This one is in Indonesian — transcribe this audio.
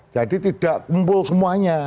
jadi tidak kumpul semuanya